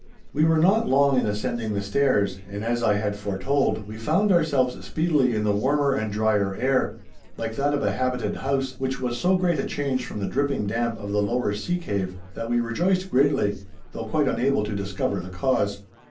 We were not long in ascending the stairs, and, as I had foretold, we found ourselves speedily in the warmer and drier air, like that of a habited house, which was so great a change from the dripping damp of the lower sea cave that we rejoiced greatly, though quite unable to discover the cause.